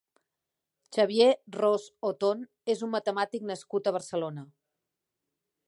Xavier Ros-Oton és un matemàtic nascut a Barcelona.